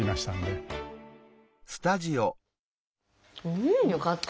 うん！よかった。